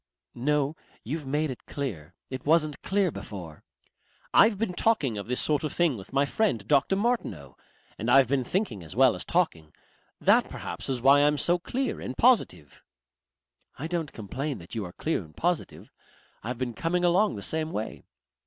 "No. You've made it clear. It wasn't clear before." "I've been talking of this sort of thing with my friend Dr. Martineau. And I've been thinking as well as talking. That perhaps is why I'm so clear and positive." "I don't complain that you are clear and positive. I've been coming along the same way....